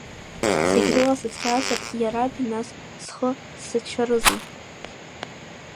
Зегь рыла сыцқьазар, иараби, нас схы сзацәшәарызеи!